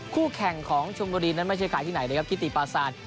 คู่แข่งของชมบุรีนั้นไม่ใช่ใครที่ไหนนะครับทิติปาซาน